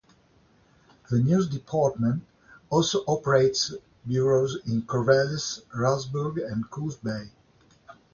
The news department also operates bureaus in Corvallis, Roseburg, and Coos Bay.